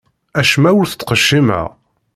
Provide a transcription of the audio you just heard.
Acemma ur t-ttqeccimeɣ.